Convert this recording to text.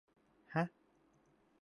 ห๊ะ ! ?